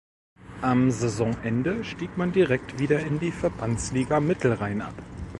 Am Saisonende stieg man direkt wieder in die Verbandsliga Mittelrhein ab.